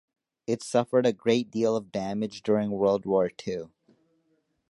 It suffered a great deal of damage during World War II.